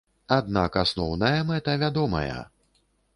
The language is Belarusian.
Аднак асноўная мэта вядомая!